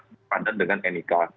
pertama padan dengan nik